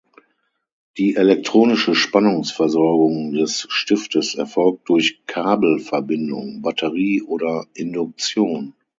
Die elektronische Spannungsversorgung des Stiftes erfolgt durch Kabelverbindung, Batterie oder Induktion.